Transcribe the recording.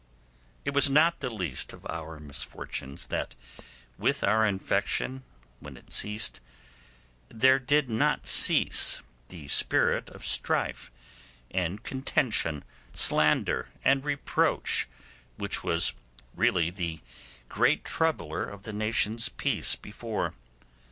It was not the least of our misfortunes that with our infection, when it ceased, there did not cease the spirit of strife and contention, slander and reproach, which was really the great troubler of the nation's peace before.